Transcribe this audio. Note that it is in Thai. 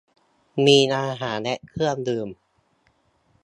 มีอาหารและเครื่องดื่ม